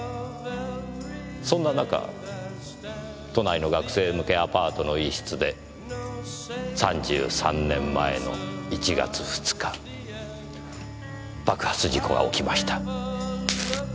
そんな中都内の学生向けアパートの１室で３３年前の１月２日爆発事故は起きました。